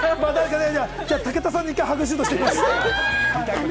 武田さんに１回ハグシュートしておきます。